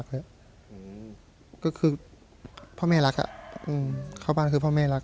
ก็คือพ่อแม่รักเข้าบ้านคือพ่อแม่รัก